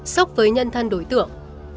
sốc với nhân thân đối tượng